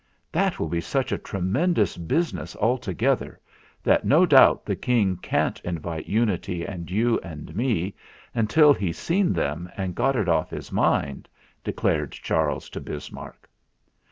"That will be such a tremendous business 266 THE FLINT HEART altogether, that no doubt the King can't invite Unity and you and me until he's seen them and got it off his mind," declared Charles to Bis marck.